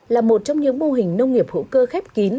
là một trong những mô hình nông nghiệp hữu cơ khép kín